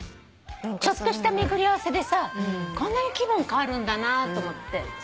ちょっとした巡り合わせでさこんなに気分変わるんだなと思って。